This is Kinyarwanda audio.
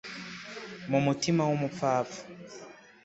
mu mutima w umupfapfa